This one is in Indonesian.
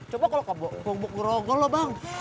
coba kalau kebuk buk grogol loh bang